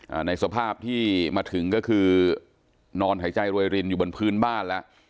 ในสภาพที่มาถึงก็คือนอนหายใจรวยรินอยู่บนพื้นบ้านแล้ว